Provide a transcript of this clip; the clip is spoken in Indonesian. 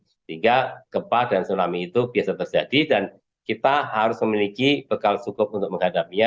sehingga gempa dan tsunami itu biasa terjadi dan kita harus memiliki bekal cukup untuk menghadapinya